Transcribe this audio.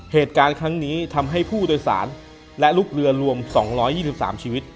เหตุการณ์ครั้งนี้ทำให้ผู้โดยสารและลูกเรือรวม๒๒๓ชีวิต